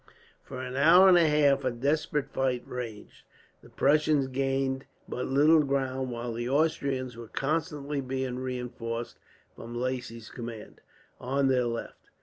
For an hour and a half a desperate fight raged. The Prussians gained but little ground, while the Austrians were constantly being reinforced from Lacy's command, on their left.